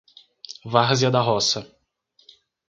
Várzea da Roça